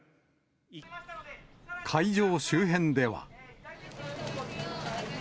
会場周辺では。